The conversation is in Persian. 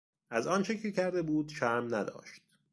از آنچه که کرده بود شرم نداشت.